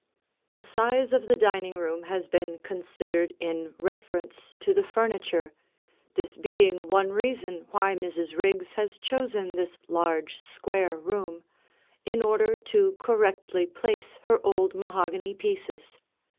The size of the dining room has been considered in reference to the furniture, this being one reason why Mrs. Riggs has chosen this large, square room in order to correctly place her old mahogany pieces.